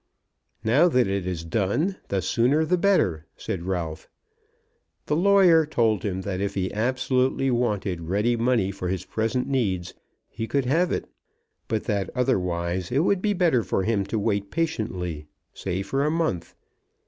"Now that it is done, the sooner the better," said Ralph. The lawyer told him that if he absolutely wanted ready money for his present needs he could have it; but that otherwise it would be better for him to wait patiently, say for a month.